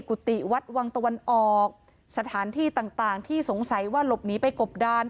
กุฏิวัดวังตะวันออกสถานที่ต่างต่างที่สงสัยว่าหลบหนีไปกบดาน